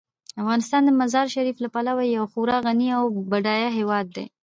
افغانستان د مزارشریف له پلوه یو خورا غني او بډایه هیواد دی.